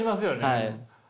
はい。